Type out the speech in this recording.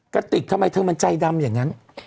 กระติกทำไมเธอมันใจดำอย่างนั้น